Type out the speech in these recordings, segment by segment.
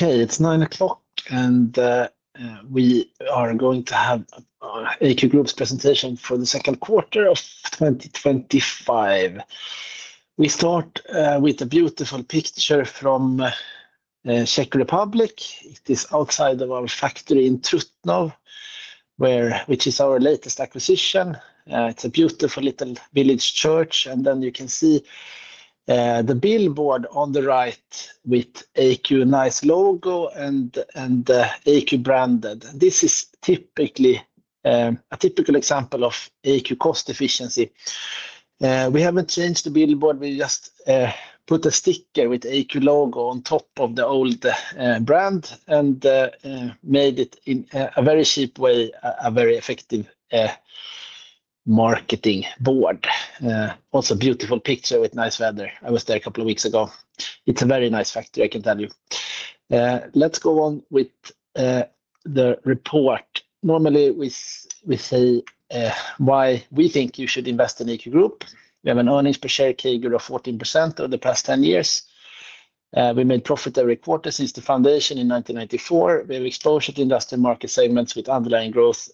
Okay. It's 09:00, and we are going to have EQ Group's presentation for the second quarter We start with a beautiful picture from Czech Republic. It is outside of our factory in Trutnov, where which is our latest acquisition. It's a beautiful little village church. And then you can see the billboard on the right with AQ nice logo and AQ branded. This is typically a typical example of AQ cost efficiency. We haven't changed the billboard. We just put a sticker with AQ logo on top of the old brand and made it in a very cheap way, a very effective marketing board. Also beautiful picture with nice weather. I was there a couple of weeks ago. It's a very nice factory, I can tell you. Let's go on with the report. Normally, we we say why we think you should invest in EQ Group. We have an earnings per share CAGR of 14% over the past ten years. We made profit every quarter since the foundation in 1994, where we're exposed to industrial market segments with underlying growth,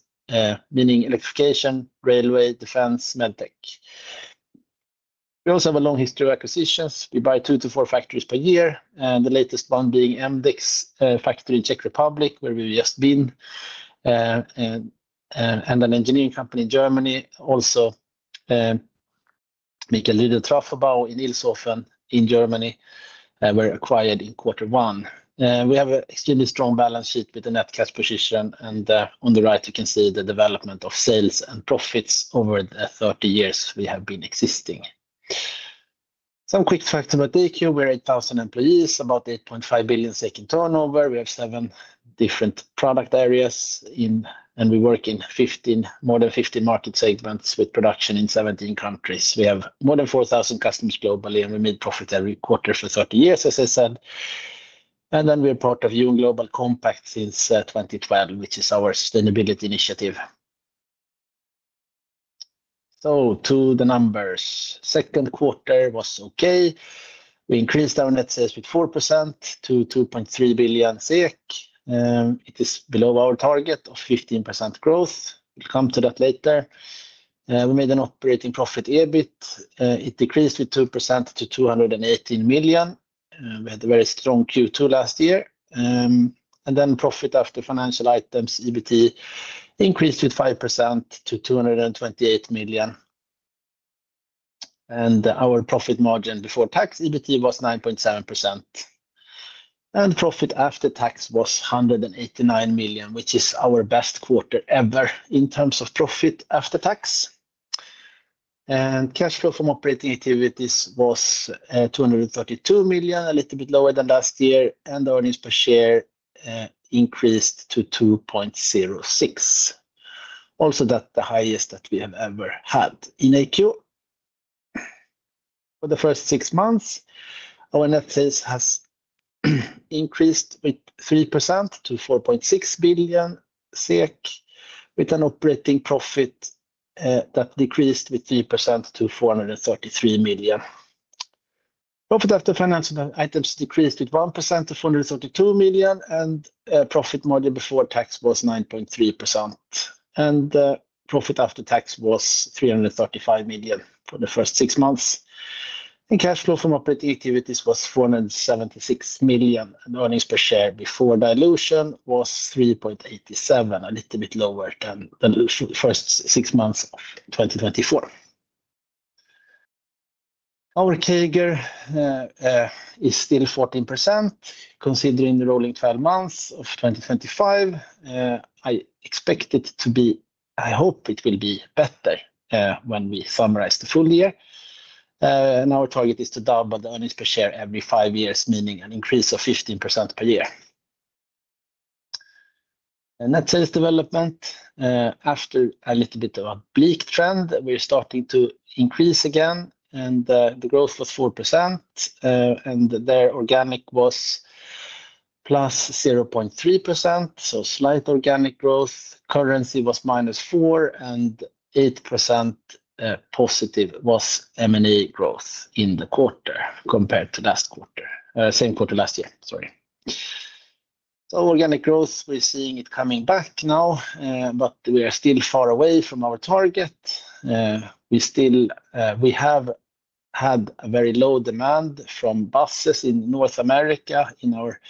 meaning electrification, railway, defense, medtech. We also have a long history of acquisitions. We buy two to four factories per year, and the latest one being Amdex factory in Czech Republic, where we've just been and an engineering company in Germany also make a little trough about in Ilsofen in Germany, were acquired in quarter one. We have an extremely strong balance sheet with a net cash position. And on the right, you can see the development of sales and profits over the thirty years we have been existing. Some quick facts about the year. We're 8,000 employees, about 8,500,000,000.0 in turnover. We have seven different product areas in and we work in 15 more than 15 market segments with production in 17 countries. We have more than 4,000 customers globally, we made profit every quarter for thirty years, as I said. And then we are part of Jung Global Compact since 2012, which is our sustainability initiative. So to the numbers. Second quarter was okay. We increased our net sales with 4% to 2,300,000,000.0 SEK. It is below our target of 15% growth. We'll come to that later. We made an operating profit EBIT. It decreased with 2% to SEK $218,000,000. We had a very strong Q2 last year. And then profit after financial items, EBIT increased with 5% to SEK $228,000,000. And our profit margin before tax, EBIT was 9.7%. And profit after tax was 189,000,000, which is our best quarter ever in terms of profit after tax. And cash flow from operating activities was $232,000,000, a little bit lower than last year, and earnings per share increased to 2,060,000.00, also that the highest that we have ever had in AQ. For the first six months, our net sales has increased with 3% to 4,600,000,000.0 with an operating profit that decreased with 3% to $433,000,000. Profit after financial items decreased with 1% to $432,000,000 and profit margin before tax was 9.3%. And profit after tax was $335,000,000 for the first six months. And cash flow from operating activities was SEK $476,000,000, and earnings per share before dilution was 3,870,000.00, a little bit lower than first six months of twenty twenty four. Our CAGR is still 14% considering the rolling twelve months of 2025. I expect it to be I hope it will be better when we summarize the full year. And our target is to double the earnings per share every five years, meaning an increase of 15% per year. Net sales development after a little bit of a bleak trend, we're starting to increase again, and the growth was 4%. And there, organic was plus 0.3%, so slight organic growth. Currency was minus 48% positive was M and A growth in the quarter compared to last quarter same quarter last year, sorry. So organic growth, we're seeing it coming back now, but we are still far away from our target. We still we have had a very low demand from buses in North America in our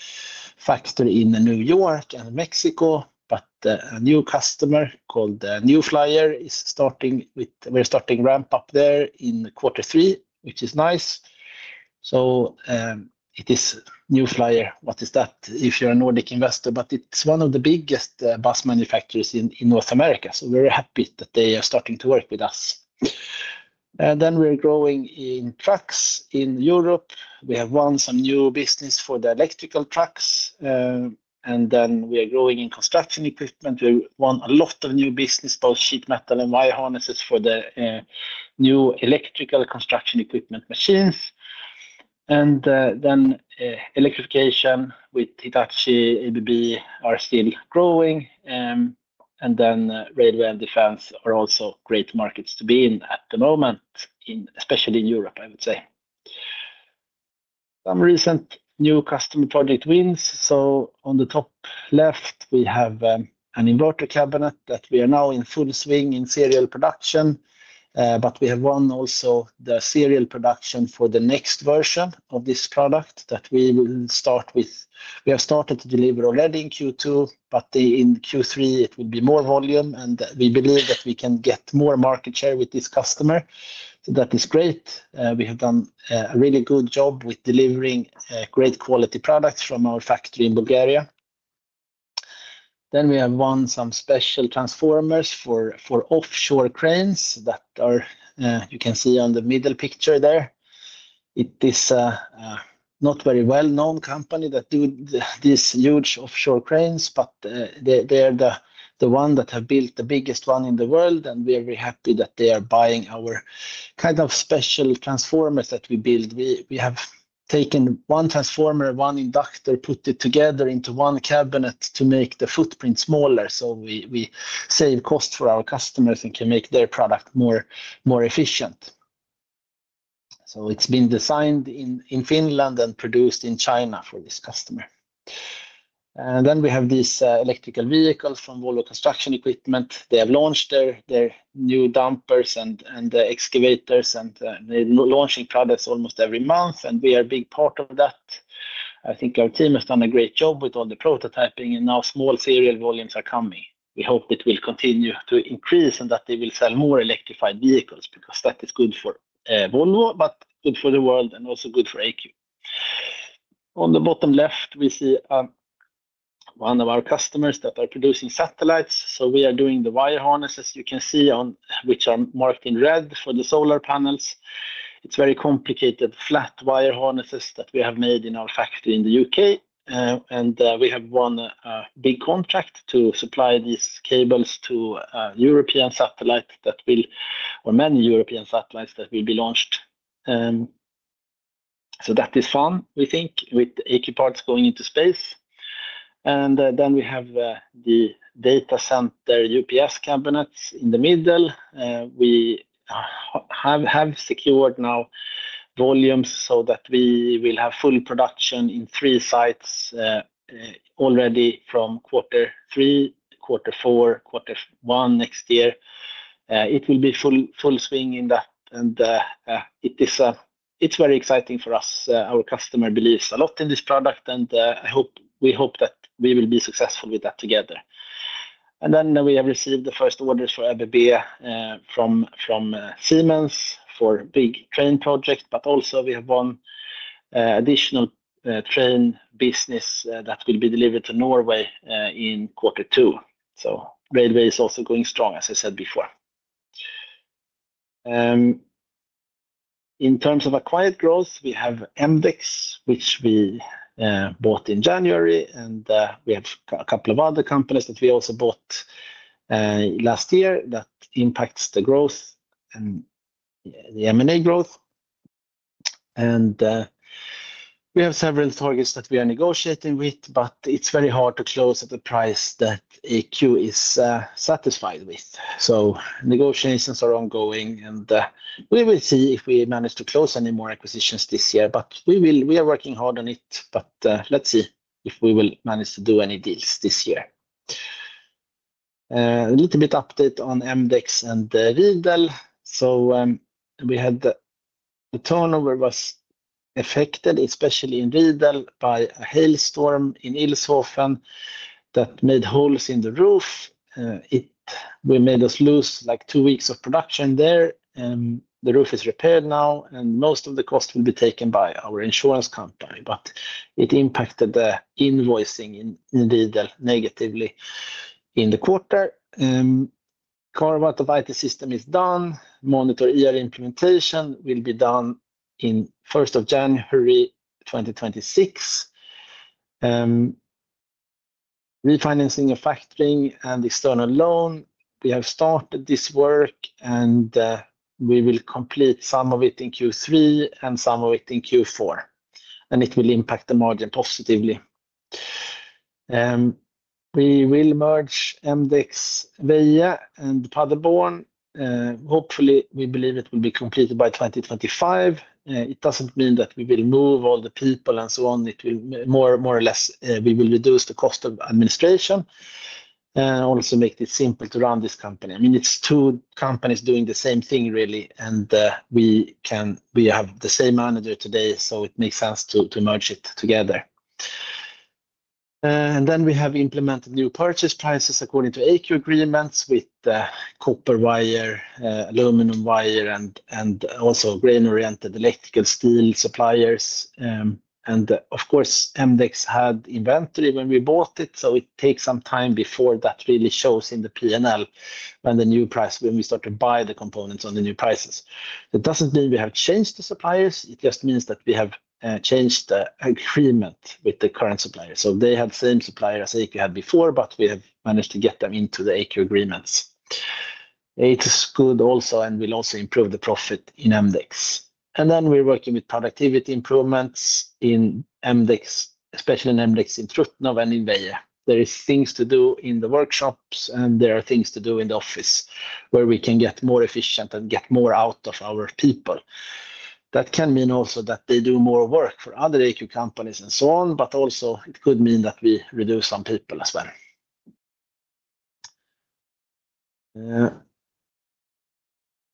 factory in New York and Mexico. But a new customer called New Flyer is starting with we're starting ramp up there in quarter three, which is nice. So it is new flyer. What is that if you're a Nordic investor? But it's one of the biggest bus manufacturers in North America. So we're happy that they are starting to work with us. And then we're growing in trucks in Europe. We have won some new business for the electrical trucks. And then we are growing in construction equipment. We won a lot of new business, both sheet metal and wire harnesses for the new electrical construction equipment machines. And then electrification with Hitachi ABB are still growing. And then railway and defense are also great markets to be in at the moment in especially in Europe, I would say. Some recent new customer project wins. So on the top left, we have an inverter cabinet that we are now in full swing in serial production. But we have won also the serial production for the next version of this product that we will start with. We have started to deliver already in q two, but in q three, it would be more volume, and we believe that we can get more market share with this customer. So that is great. We have done a really good job with delivering great quality products from our factory in Bulgaria. Then we have won some special transformers for offshore cranes that are you can see on the middle picture there. It is a not very well known company that do these huge offshore cranes, but, they're they're the the one that have built the biggest one in the world, and we are very happy that they are buying our kind of special transformers that we build. We we have taken one transformer, one inductor, put it together into one cabinet to make the footprint smaller. So we we save cost for our customers and can make their product more more efficient. So it's been designed in in Finland and produced in China for this customer. And then we have this electrical vehicle from Volvo Construction Equipment. They have launched their their new dumpers and and excavators and they're launching products almost every month, and we are a big part of that. I think our team has done a great job with all the prototyping and now small serial volumes are coming. We hope it will continue to increase and that they will sell more electrified vehicles because that is good for Volvo, but good for the world and also good for AQ. On the bottom left, we see one of our customers that are producing satellites. So we are doing the wire harnesses, you can see on which are marked in red for the solar panels. It's very complicated flat wire harnesses that we have made in our factory in The UK. And we have won a big contract to supply these cables to European satellites that will or many European satellites that will be launched. So that is fun, we think, with the EK parts going into space. And then we have the data center UPS cabinets in the middle. We have secured now volumes so that we will have full production in three sites already from quarter three, quarter four, quarter one next year. It will be full swing in that. And it is it's very exciting for us. Our customer believes a lot in this product, and I hope we hope that we will be successful with that together. And then we have received the first orders for ABBA from Siemens for big train projects, but also we have one additional train business that will be delivered to Norway in quarter two. So railway is also going strong, as I said before. In terms of acquired growth, we have Amdex, which we bought in January, and we have a couple of other companies that we also bought last year that impacts the growth and the M and A growth. And we have several targets that we are negotiating with, but it's very hard to close at the price that AQ is satisfied with. So negotiations are ongoing, and we will see if we manage to close any more acquisitions this year. But we will we are working hard on it, but let's see if we will manage to do any deals this year. A little bit update on Amdex and Riedel. So we had the the turnover was affected, especially in Riddell by a hailstorm in Ileshofen that made holes in the roof. It made us lose, like, two weeks of production there. And the roof is repaired now, and most of the cost will be taken by our insurance company. But it impacted the invoicing in in the negatively in the quarter. Carvana Vital system is done. Monitor ER implementation will be done in 01/01/2026. Refinancing and factoring and external loan, we have started this work, and we will complete some of it in Q3 and some of it in Q4, and it will impact the margin positively. And we will merge Amdex, Veja, and Paderborn. Hopefully, we believe it will be completed by 2025. It doesn't mean that we will move all the people and so on. It will more more or less, we will reduce the cost of administration and also make it simple to run this company. I mean, it's two companies doing the same thing really, and we can we have the same manager today, so it makes sense to to merge it together. And then we have implemented new purchase prices according to AQ agreements with copper wire, aluminum wire and also grain oriented electrical steel suppliers. And of course, Amdex had inventory when we bought it, so it takes some time before that really shows in the P and L when the new price when we start to buy the components on the new prices. It doesn't mean we have changed the suppliers. It just means that we have changed the agreement with the current supplier. So they have same supplier as AQ had before, but we have managed to get them into the AQ agreements. It is good also and will also improve the profit in Amdex. And then we're working with productivity improvements in Amdex, especially in Amdex in Trutnov and in Veyia. There is things to do in the workshops and there are things to do in the office where we can get more efficient and get more out of our people. That can mean also that they do more work for other AQ companies and so on, but also it could mean that we reduce some people as well.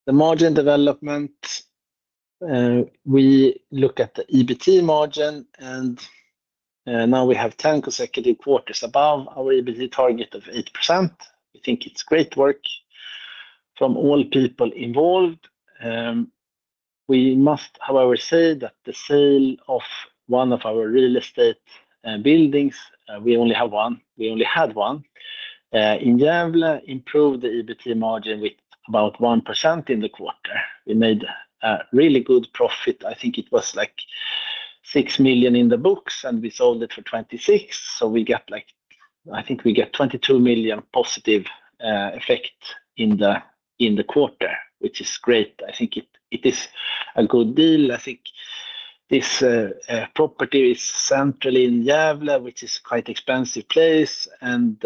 The margin development, we look at the EBT margin, and now we have 10 consecutive quarters above our EBT target of 8%. We think it's great work from all people involved. We must, however, say that the sale of one of our real estate buildings, we only have one, we only had one. Ingemble improved the EBITDA margin with about 1% in the quarter. We made a really good profit. I think it was like 6,000,000 in the books, and we sold it for 26,000,000. So we got like I think we get 22,000,000 positive effect in the quarter, which is great. I think it is a good deal. I think this property is centrally in Javela, which is quite expensive place. And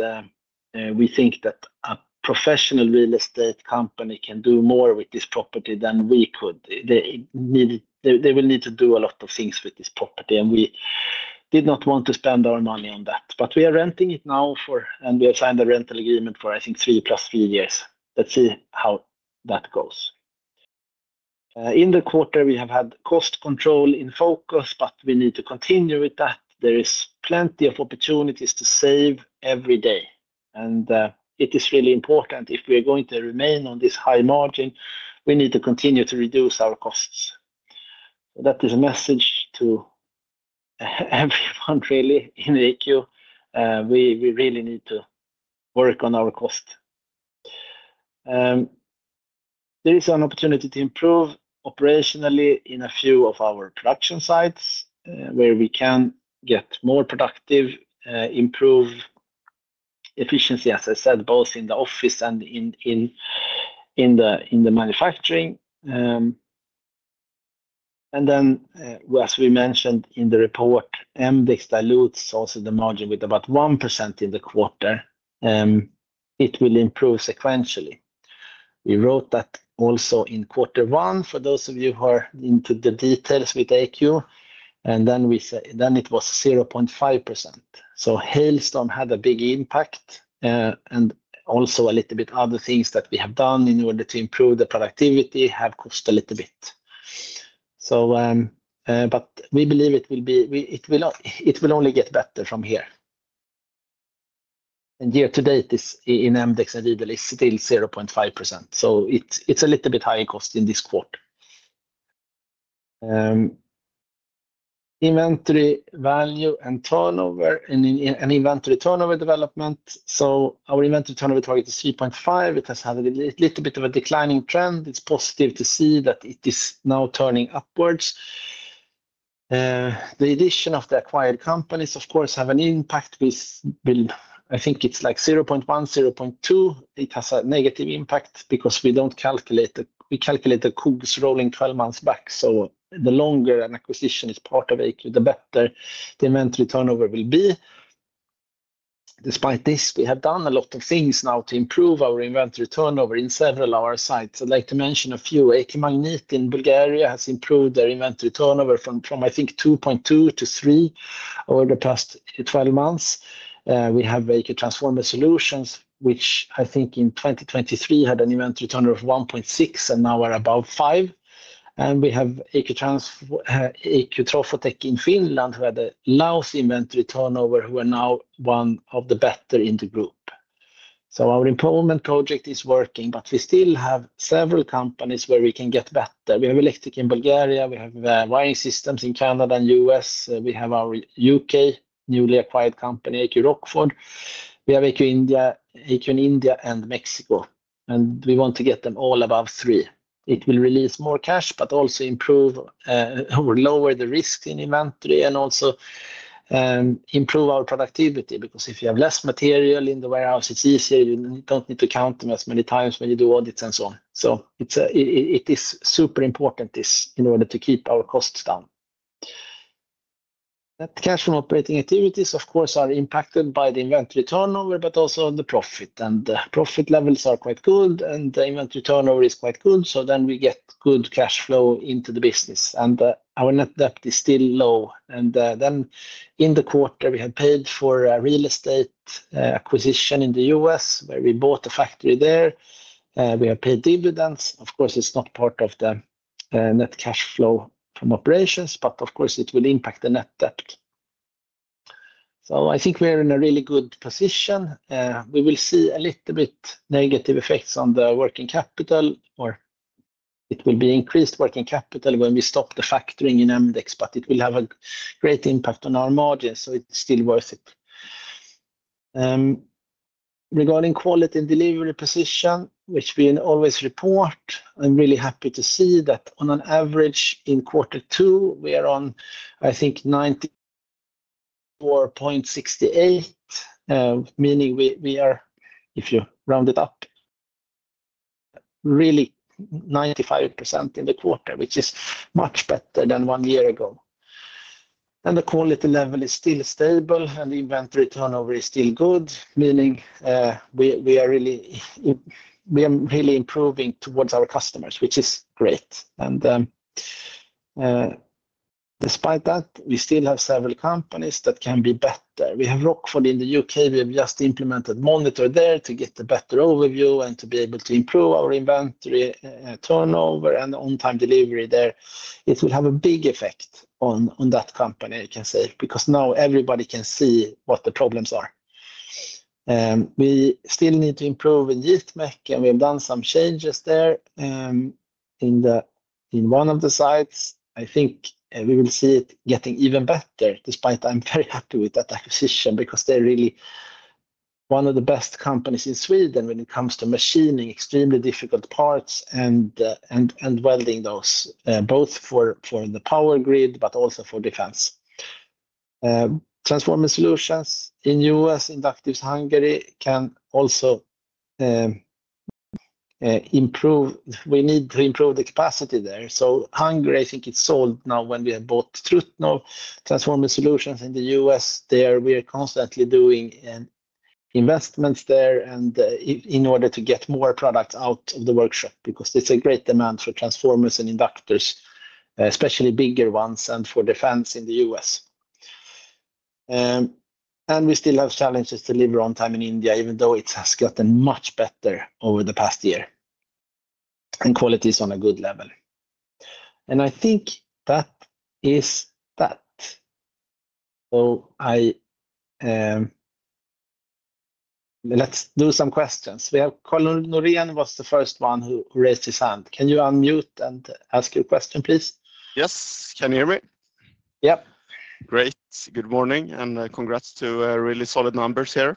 we think that a professional real estate company can do more with this property than we could. They will need to do a lot of things with this property, and we did not want to spend our money on that. But we are renting it now for and we have signed a rental agreement for, I think, three plus years. Let's see how that goes. In the quarter, we have had cost control in focus, but we need to continue with that. There is plenty of opportunities to save every day. And it is really important if we are going to remain on this high margin, we need to continue to reduce our costs. That is a message to everyone really in EQ. We really need to work on our cost. There is an opportunity to improve operationally in a few of our production sites, where we can get more productive, improve efficiency, as I said, both in the office and in the manufacturing. And then as we mentioned in the report, Amdex dilutes also the margin with about 1% in the quarter, it will improve sequentially. We wrote that also in quarter one, for those of you who are into the details with AQ, and then we say then it was 0.5%. So Hailstorm had a big impact and also a little bit other things that we have done in order to improve the productivity have cost a little bit. So but we believe it will be it will only get better from here. And year to date, this in Amdex and Italy is still 0.5%. So it's a little bit high cost in this quarter. Inventory value and turnover and inventory turnover development. So our inventory turnover rate is 3.5. It has had a little bit of a declining trend. It's positive to see that it is now turning upwards. The addition of the acquired companies, of course, have an impact with I think it's like 0.1, 0.2. It has a negative impact because we don't calculate it. We calculate the COGS rolling twelve months back. So the longer an acquisition is part of AQ, the better the inventory turnover will be. Despite this, we have done a lot of things now to improve our inventory turnover in several of our sites. I'd like to mention a few. AQ Magnet in Bulgaria has improved their inventory turnover from, I think, point two to three over the past twelve months. We have Aky Transformer Solutions, which I think in 2023 had an inventory turnover of 1.6 and now we're above five. And we have AQ Trofotec in Finland, who had a large inventory turnover, who are now one of the better in the group. So our improvement project is working, but we still have several companies where we can get better. We have electric in Bulgaria. We have wiring systems in Canada and U. S. We have our UK newly acquired company, AQ Rockford. We have AQ India AQ in India and Mexico. And we want to get them all above three. It will release more cash, but also improve or lower the risk in inventory and also improve our productivity. Because if you have less material in the warehouse, it's easy. You don't need to count them as many times when you do audits and so on. So it is super important this in order to keep our costs down. Net cash from operating activities, of course, are impacted by the inventory turnover, but also profit. And the profit levels are quite good, and the inventory turnover is quite good. So then we get good cash flow into the business. And our net debt is still low. And then in the quarter, we had paid for a real estate acquisition in The U. S, where we bought a factory there. We have paid dividends. Of course, it's not part of the net cash flow from operations, but of course, it will impact the net debt. So I think we are in a really good position. We will see a little bit negative effects on the working capital or it will be increased working capital when we stop the factoring in Amdex, but it will have a great impact on our margins. So it's still worth it. Regarding quality and delivery position, which we always report, I'm really happy to see that on an average in quarter two, we are on, I think, 4.68, meaning we are, if you round it up, really 95% in the quarter, which is much better than one year ago. And the quality level is still stable and the inventory turnover is still good, meaning we are really improving towards our customers, which is great. And despite that, we still have several companies that can be better. We have Rockford in The UK. We have just implemented monitor there to get the better overview and to be able to improve our inventory turnover and on time delivery there. It will have a big effect on on that company, I can say, because now everybody can see what the problems are. We still need to improve in Ytmec, and we've done some changes there, in the in one of the sites. I think we will see it getting even better despite I'm very happy with that acquisition because they're really one of the best companies in Sweden when it comes to machining extremely difficult parts and and and welding those, both for for the power grid, but also for defense. Transformer solutions in US inductors Hungary can also improve. We need to improve the capacity there. So Hungary, I think it's sold now when we have bought Truthno transformer solutions in The US there. We are constantly doing investments there and in order to get more products out of the workshop because it's a great demand for transformers and inductors, especially bigger ones and for defense in The U. S. And we still have challenges to deliver on time in India even though it has gotten much better over the past year and quality is on a good level. And I think that is that. So I let's do some questions. We have Colin Norian was the first one who raised his hand. Can you unmute and ask your question, please? Yes. Can you hear me? Yes. Great. Good morning, and congrats to really solid numbers here.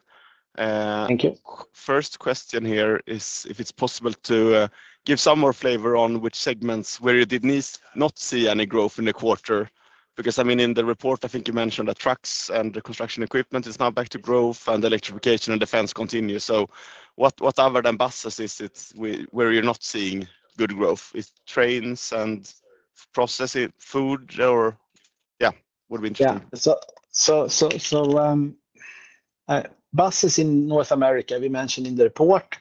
Thank you. First question here is if it's possible to give some more flavor on which segments where you did not see any growth in the quarter. Because, I mean, in the report, I think you mentioned the trucks and the construction equipment is now back to growth and electrification and defense continues. So what other than buses is it where you're not seeing good growth? Is trains and processing, food or yeah. What we Yeah. So so so so, buses in North America, we mentioned in the report.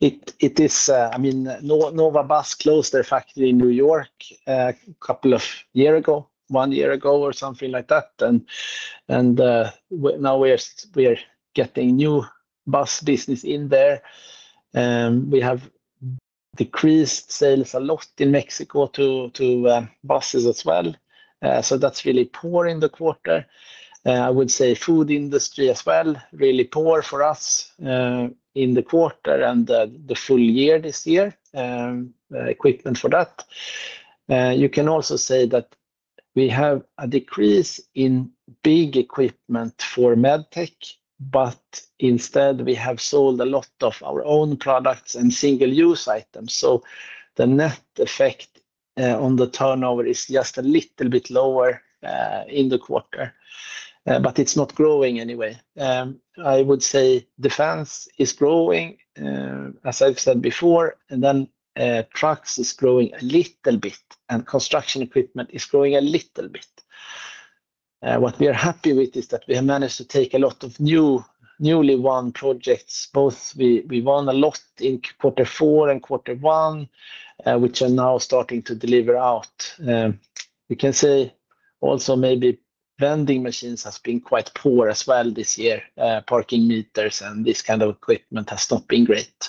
It it is, I mean, Nova Nova Bus closed their factory in New York, couple of year ago, one year ago or something like that. And now we are getting new bus business in there. We have decreased sales a lot in Mexico to buses as well. So that's really poor in the quarter. I would say food industry as well, really poor for us in the quarter and the full year this year, equipment for that. You can also say that we have a decrease in big equipment for MedTech, but instead, have sold a lot of our own products and single use items. So the net effect on the turnover is just a little bit lower in the quarter, but it's not growing anyway. I would say defense is growing, as I've said before, and then trucks is growing a little bit and construction equipment is growing a little bit. What we are happy with is that we have managed to take a lot of newly won projects, both we won a lot in quarter four and quarter one, which are now starting to deliver out. We can say also maybe vending machines has been quite poor as well this year, parking meters and this kind of equipment has not been great,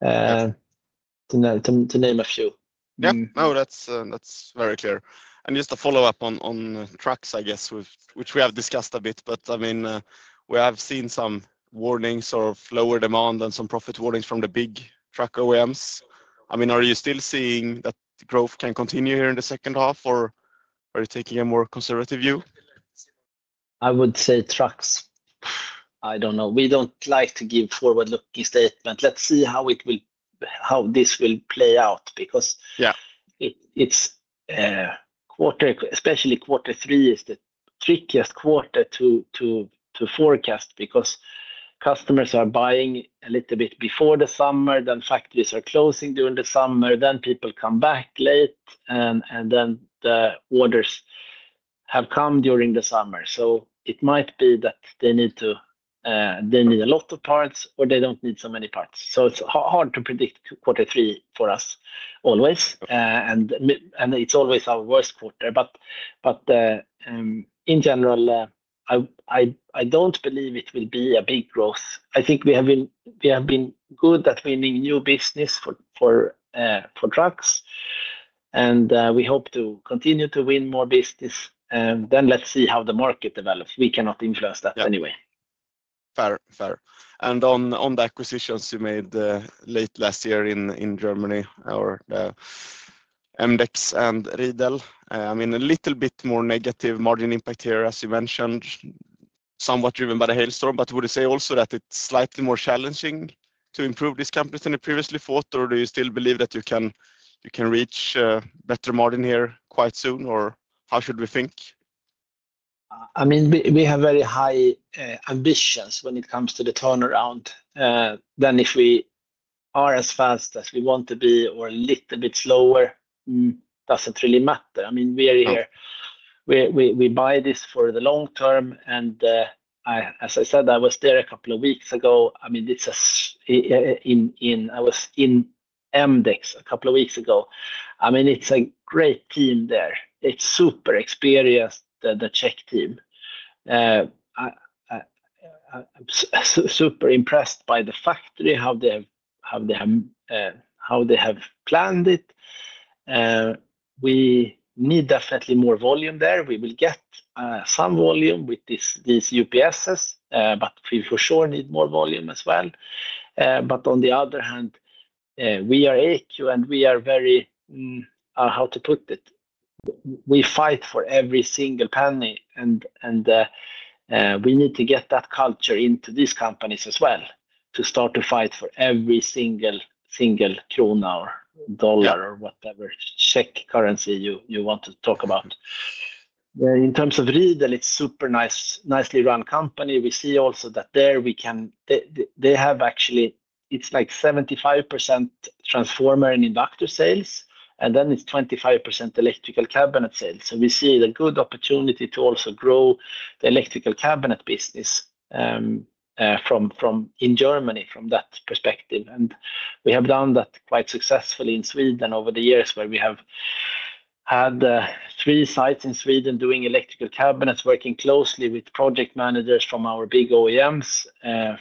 to name a few. Yes. No, that's very clear. And just a follow-up on trucks, I guess, which we have discussed a bit. But I mean, we have seen some warnings or slower demand and some profit warnings from the big truck OEMs. I mean, are you still seeing that growth can continue here in the second half? Or are you taking a more conservative view? I would say trucks. I don't know. We don't like to give forward looking statement. Let's see how it will how this will play out because it's quarter especially quarter three is the trickiest quarter to forecast because customers are buying a little bit before the summer, then factories are closing during the summer, then people come back late and then the orders have come during the summer. So it might be that they need to they need a lot of parts or they don't need so many parts. So it's hard to predict quarter three for us always, and it's always our worst quarter. But in general, I don't believe it will be a big growth. I think we have been good at winning new business for trucks, and we hope to continue to win more business. And then let's see how the market develops. We cannot influence that anyway. Fair. Fair. And on the acquisitions you made late last year in Germany or Amdex and Riedel, I mean, a little bit more negative margin impact here, as you mentioned, somewhat driven by the hailstorm. But would you say also that it's slightly more challenging to improve this company than you previously thought? Or do you still believe that you can reach better margin here quite soon? Or how should we think? I mean, we we have very high ambitions when it comes to the turnaround. Then if we are as fast as we want to be or a little bit slower, doesn't really matter. I mean, we are here. We we we buy this for the long term. And I as I said, I was there a couple of weeks ago. I mean, this is in in I was in Amdex a couple of weeks ago. I mean, it's a great team there. It's super experienced, the the Czech team. Super impressed by the factory, how they have planned it. We need definitely more volume there. We will get some volume with these UPSs, but we, for sure, need more volume as well. But on the other hand, we are AQ and we are very how to put it? We fight for every single penny and we need to get that culture into these companies as well to start to fight for every single, single krone or dollar or whatever Czech currency you want to talk about. In terms of Riedel, it's super nicely run company. We see also that there we can they have actually it's like 75% transformer and inductor sales and then it's 25% electrical cabinet sales. So we see a good opportunity to also grow the electrical cabinet business from in Germany from that perspective. And we have done that quite successfully in Sweden over the years where we have had three sites in Sweden doing electrical cabinets, working closely with project managers from our big OEMs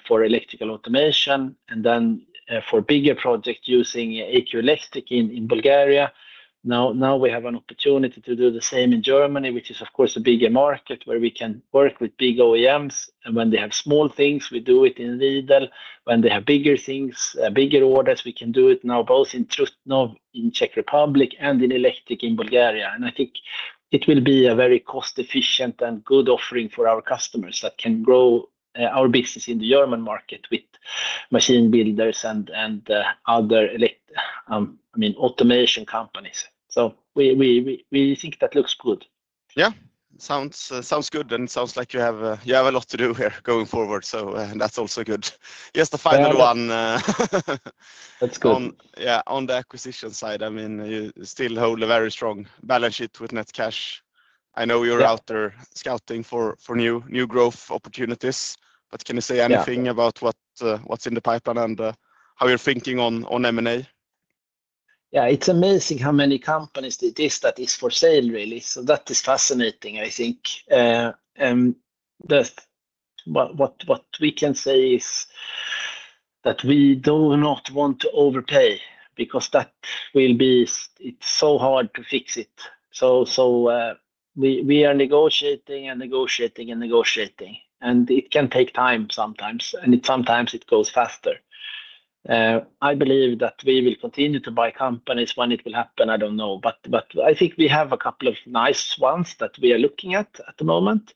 for electrical automation and then for bigger projects using AQ Electric in Bulgaria. Now we have an opportunity to do the same in Germany, which is, of course, a bigger market where we can work with big OEMs. And when they have small things, we do it in Lidl. When they have bigger things bigger orders, we can do it now both in Trutnov in Czech Republic and in Elektik in Bulgaria. And I think it will be a very cost efficient and good offering for our customers that can grow our business in the German market with machine builders and other, I mean, automation companies. So we think that looks good. Yes. Sounds good. And it sounds like you have lot to do here going forward. So, that's also good. Just the final one. That's cool. Yeah. On the acquisition side, I mean, you still hold a very strong balance sheet with net cash. I know you're out there scouting for for new new growth opportunities, But can you say anything about what's in the pipeline and how you're thinking on M and A? Yes. It's amazing how many companies it is that is for sale, really. So that is fascinating, I think. That what we can say is that we do not want to overpay because that will be it's so hard to fix it. So so we we are negotiating and negotiating and negotiating. And it can take time sometimes, and sometimes it goes faster. I believe that we will continue to buy companies when it will happen, I don't know. But I think we have a couple of nice ones that we are looking at, at the moment.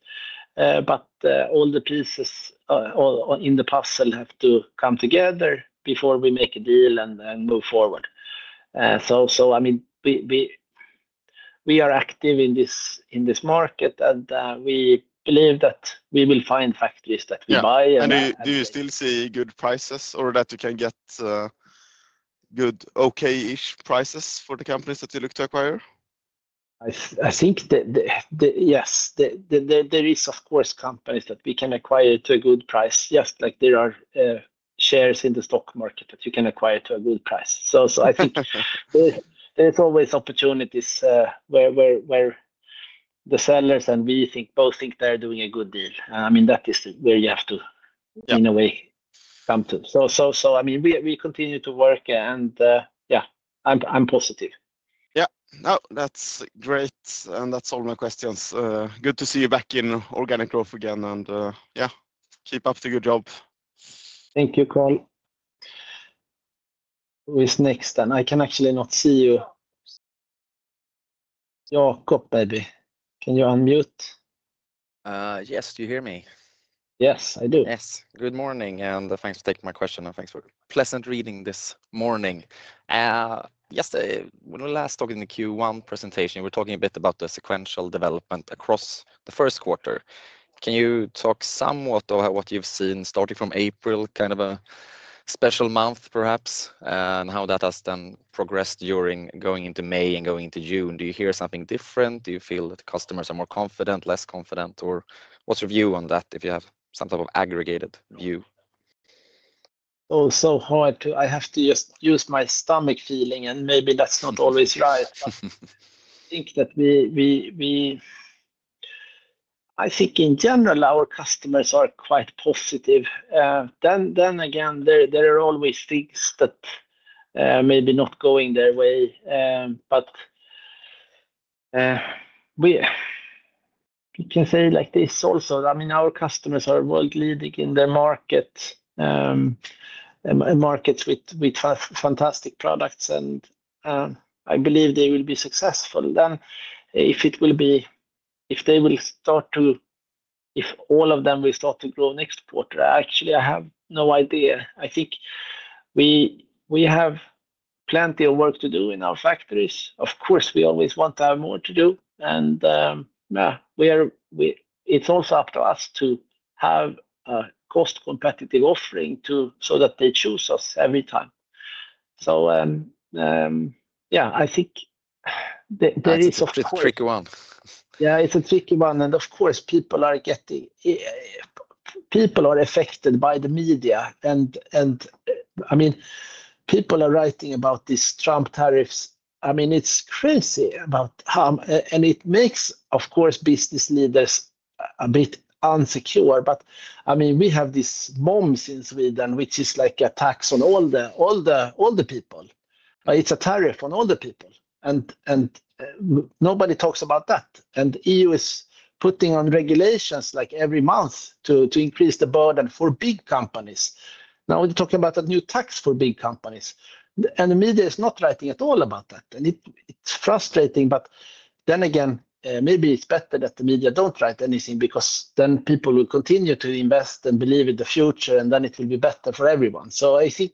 But all the pieces in the puzzle have to come together before we make a deal and move forward. So I mean, we are active in this market, and we believe that we will find factories that we buy. And do you do you still see good prices or that you can get good okay ish prices for the companies that you look to acquire? I I think that the the yes. The the the there is, of course, companies that we can acquire to a good price. Yes. Like, there are shares in the stock market that you can acquire to a good price. So so I think there's there's always opportunities where where where the sellers and we think both think they're doing a good deal. I mean, that is where you have to, in a way, come to. So so so, I mean, we we continue to work and, yeah, I'm I'm positive. Yeah. No. That's great. And that's all my questions. Good to see you back in organic growth again, and, yeah, keep up the good job. Thank you, Carl. Who is next? And I can actually not see you. Joakoppebe, can you unmute? Yes. Do you hear me? Yes, I do. Yes. Good morning, and thanks for taking my question, and thanks for pleasant reading this morning. Yesterday, when we last talked in the Q1 presentation, we were talking a bit about the sequential development across the first quarter. Can you talk somewhat of what you've seen starting from April, kind of a special month perhaps, and how that has then progressed during going into May and going into June? Do you hear something different? Do you feel that customers are more confident, less confident? Or what's your view on that, if you have some type of aggregated view? Oh, so hard to I have to just use my stomach feeling, and maybe that's not always right. I think that we I think, in general, our customers are quite positive. Then then again, there there are always things that, maybe not going their way. But we can say like this also. I mean, our customers are world leading in their markets and markets with with fantastic products, and I believe they will be successful then if it will be if they will start to if all of them will start to grow next quarter. Actually, I have no idea. I think we have plenty of work to do in our factories. Of course, we always want to have more to do. And we are it's also up to us to have a cost competitive offering to so that they choose us every time. So, yeah, I think It's a tricky one. Yeah. It's a tricky one. And, of course, people are getting people are affected by the media. And and, I mean, people are writing about these Trump tariffs. I mean, it's crazy about and it makes, of course, business leaders a bit unsecured. But, I mean, we have this bomb since we then which is like a tax on all the all the all the people. It's a tariff on all the people, and and nobody talks about that. And EU is putting on regulations, like, every month to to increase the burden for big companies. Now we're talking about a new tax for big companies. And the media is not writing at all about that, and it it's frustrating. But then again, maybe it's better that the media don't write anything because then people will continue to invest and believe in the future, and then it will be better for everyone. So I think,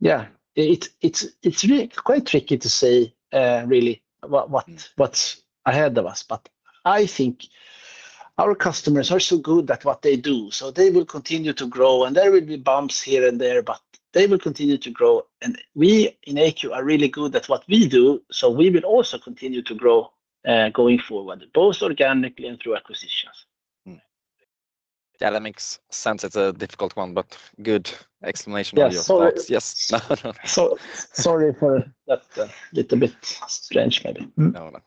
yeah, it it's it's really quite tricky to say, really what what what's ahead of us. But I think our customers are so good at what they do. So they will continue to grow, and there will be bumps here and there, but they will continue to grow. And we in AQ are really good at what we do, so we will also continue to grow going forward, both organically and through acquisitions. Yeah. That makes sense. It's a difficult one, but good explanation for Yes. Your sorry for that little bit strange, maybe. No, no.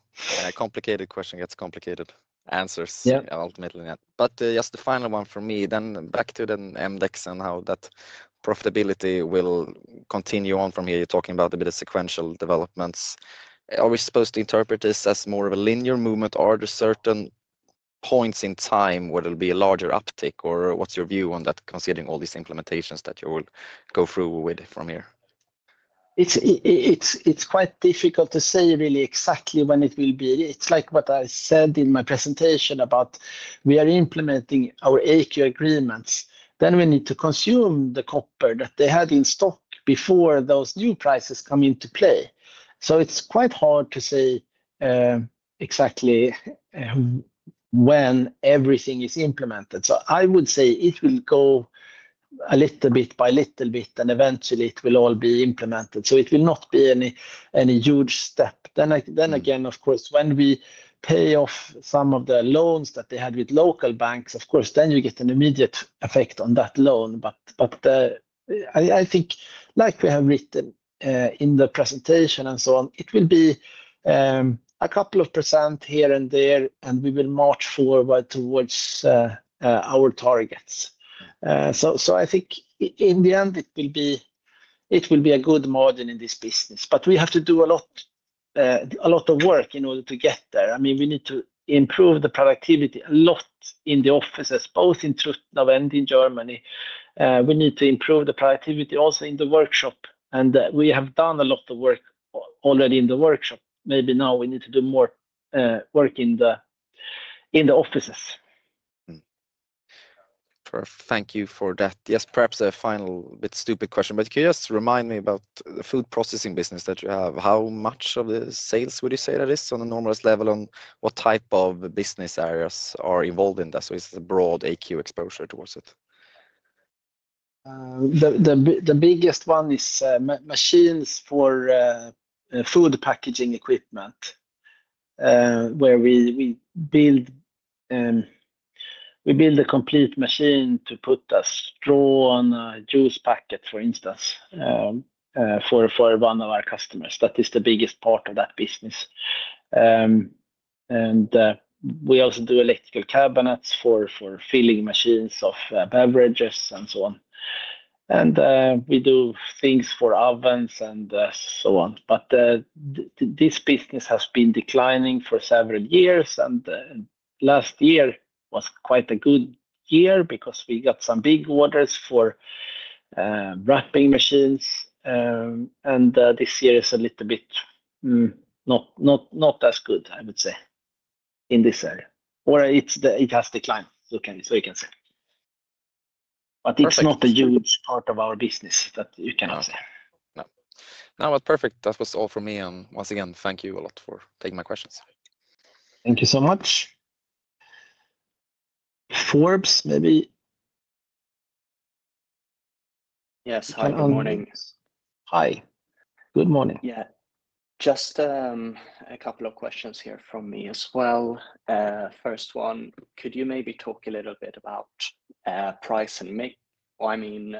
Complicated question gets complicated answers But just the final one for me, then back to the MDAX and how that profitability will continue on from here. You're talking about a bit of sequential developments. Are we supposed to interpret this as more of a linear movement? Are there certain points in time where there'll be a larger uptick? Or what's your view on that considering all these implementations that you will go through with from here? It's quite difficult to say really exactly when it will be. It's like what I said in my presentation about we are implementing our AQ agreements. Then we need to consume the copper that they had in stock before those new prices come into play. So it's quite hard to say exactly when everything is implemented. So I would say it will go a little bit by little bit and eventually it will all be implemented. So it will not be any any huge step. Then I then again, of course, when we pay off some of the loans that they had with local banks, of course, then you get an immediate effect on that loan. I think like we have written in the presentation and so on, it will be a couple of percent here and there, and we will march forward towards our targets. So I think in the end, it will be a good margin in this business. But we have to do a lot of work in order to get there. I mean we need to improve the productivity a lot in the offices, both in Truttow and in Germany. We need to improve the productivity also in the workshop. And we have done a lot of work already in the workshop. Maybe now we need to do more work in the offices. Perfect. Thank you for that. Yes, perhaps a final bit stupid question. But can you just remind me about the food processing business that you have? How much of the sales would you say that is on a normalized level? And what type of business areas are involved in that? So it's a broad AQ exposure towards it. The biggest one is machines for food packaging equipment, where we build a complete machine to put a straw on juice packet, for instance, for one of our customers. That is the biggest part of that business. And we also do electrical cabinets for filling machines of beverages and so on. And we do things for ovens and so on. But this business has been declining for several years. And last year was quite a good year because we got some big orders for wrapping machines. And this year is a little bit not not not as good, I would say, in this area. Or it's the it has declined, so can so you can say. It's not the huge part of our business that you cannot say. No, perfect. That was all from me. Once again, you a lot for taking my questions. Thank you so much. Forbes, maybe? Hi, Hi. Good Good morning. Yes. Just a couple of questions here from me as well. First one, could you maybe talk a little bit about price and mix I mean,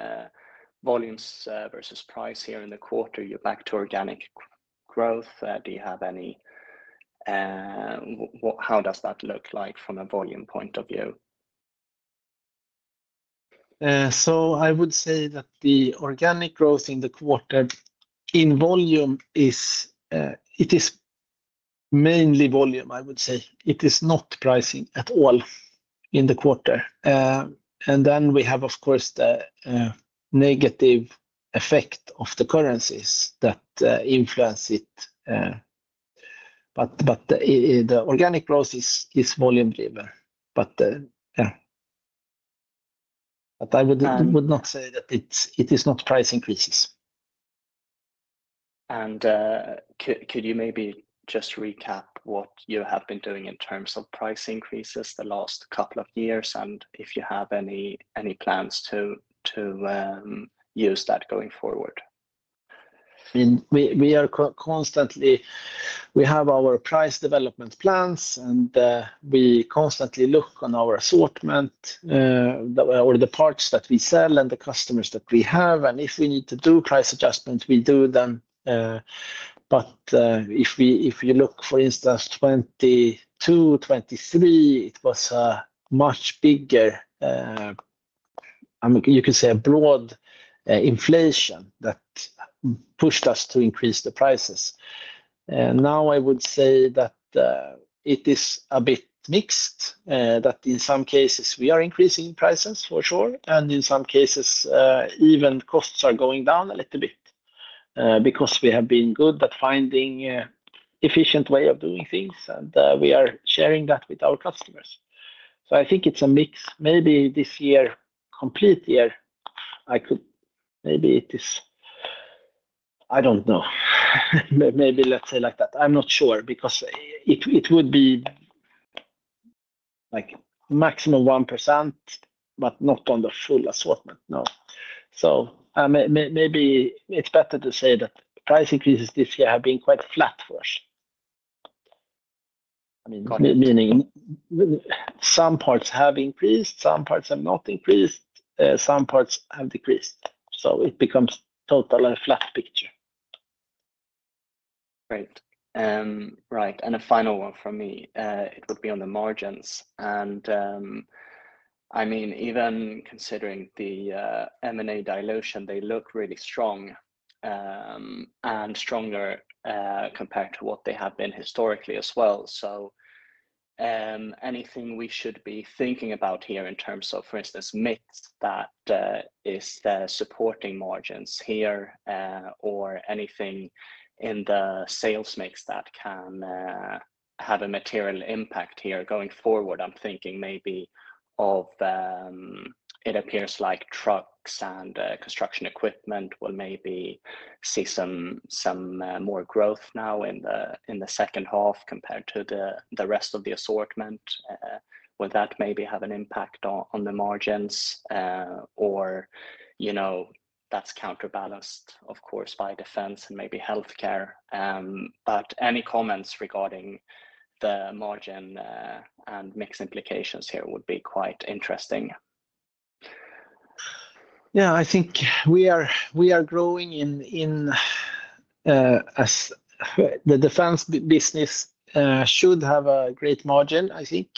volumes versus price here in the quarter? You're back to organic growth. Do you have any how does that look like from a volume point of view? So I would say that the organic growth in the quarter in volume is it is mainly volume, I would say. It is not pricing at all in the quarter. And then we have, of course, the negative effect of the currencies that influence it. But the organic growth is volume driven. But yes, But I would I would not say that it's it is not price increases. And, could could you maybe just recap what you have been doing in terms of price increases the last couple of years and if you have any plans to to use that going forward. I mean, we we are constantly we have our price development plans, and we constantly look on our assortment the or the parts that we sell and the customers that we have. And if we need to do price adjustments, we do them. But if we if you look, for instance, '22, '23, it was a much bigger, I mean, you can say a broad inflation that pushed us to increase the prices. And now I would say that it is a bit mixed, that in some cases, we are increasing prices for sure. And in some cases, even costs are going down a little bit because we have been good at finding efficient way of doing things, and we are sharing that with our customers. So I think it's a mix. Maybe this year, complete year, I could maybe it is I don't know. Maybe let's say like that. I'm not sure because it it would be, like maximum 1%, but not on the full assortment. No. So maybe it's better to say that price increases this year have been quite flat for us. Mean, meaning some parts have increased, some parts have not increased, some parts have decreased. So it becomes total and flat picture. Great. Right. And a final one for me, it would be on the margins. And, I mean, even considering the m and a dilution, they look really strong and stronger compared to what they have been historically as well. So anything we should be thinking about here in terms of, for instance, mix that is supporting margins here or anything in the sales mix that can have a material impact here going forward. I'm thinking maybe of it appears like trucks and construction equipment will maybe see some more growth now in the second half compared to the rest of the assortment. Will that maybe have an impact on the margins? Or that's counterbalanced, of course, by defense and maybe health care. But any comments regarding the margin and mix implications here would be quite interesting. Yes, I think we are growing in the defense business should have a great margin, I think.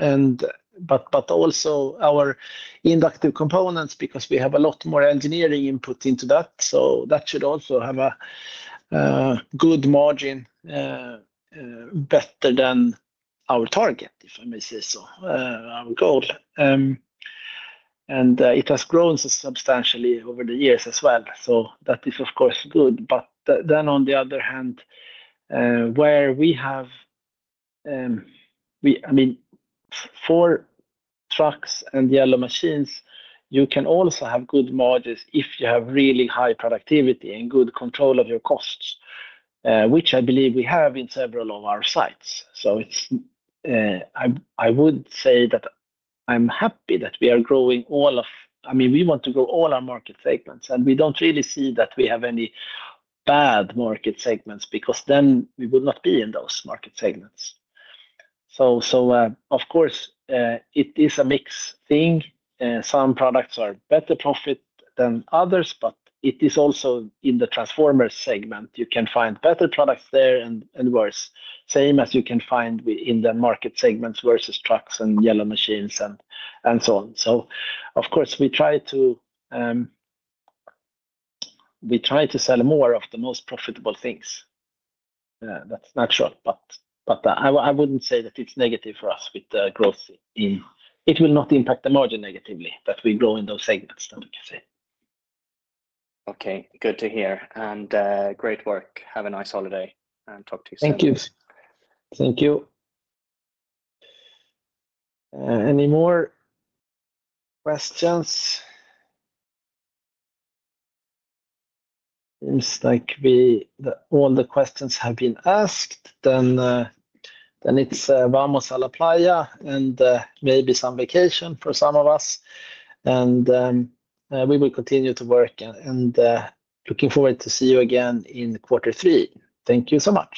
And but but also our inductive components because we have a lot more engineering input into that. So that should also have a good margin better than our target, if I may say so, our goal. And it has grown substantially over the years as well. So that is, of course, good. But then on the other hand, where we have I mean, four trucks and yellow machines, you can also have good margins if you have really high productivity and good control of your costs, which I believe we have in several of our sites. So it's I would say that I'm happy that we are growing all of I mean, we want to grow all our market segments, and we don't really see that we have any bad market segments because then we will not be in those market segments. So of course, it is a mixed thing. Some products are better profit than others, but it is also in the transformer segment. You can find better products there and worse, same as you can find in the market segments versus trucks and yellow machines and so on. So of course, try to sell more of the most profitable things. That's not short, but but I I wouldn't say that it's negative for us with the growth in it will not impact the margin negatively that we grow in those segments, I would say. Okay. Good to hear and great work. Have a nice holiday and talk to you soon. Thank you. You. Any more questions? Seems like we all the questions have been asked, then then it's Vamos Alla Playa and maybe some vacation for some of us. And we will continue to work, looking forward to see you again in quarter three. Thank you so much.